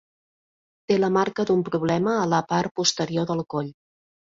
Té la marca d'un problema a la part posterior del coll.